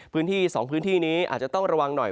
พื้นที่๒พื้นที่นี้อาจจะต้องระวังหน่อย